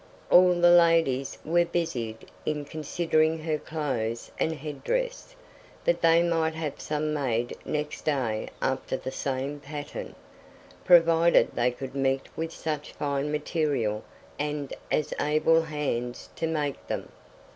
All the ladies were busied in considering her clothes and headdress, that they might have some made next day after the same pattern, provided they could meet with such fine material and as able hands to make them.